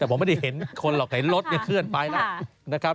แต่ผมไม่ได้เห็นคนหรอกเห็นรถยังเคลื่อนไปแล้ว